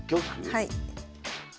はい。